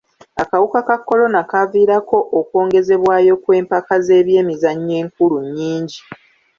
Akawuka ka kolona kaaviirako okwongezebwayo kw'empaka z'ebyemizannyo enkulu nnyingi.